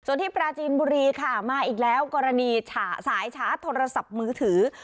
ส่วนที่ปราจีนบุรีค่ะมาอีกแล้วกรณีสายชาร์จโทรศัพท์มือถือ